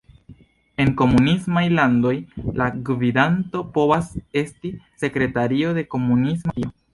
En komunismaj landoj, la gvidanto povas esti "sekretario de komunisma partio".